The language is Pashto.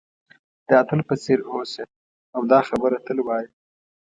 د اتل په څېر اوسه او دا خبره تل وایه.